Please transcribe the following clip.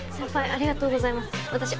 ありがとうございます